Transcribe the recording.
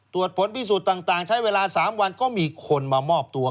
ผลพิสูจน์ต่างใช้เวลา๓วันก็มีคนมามอบตัว